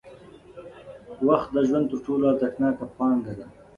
وخت د ژوند تر ټولو ارزښتناکه پانګه ده.